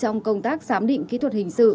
trong công tác giám định kỹ thuật hình sự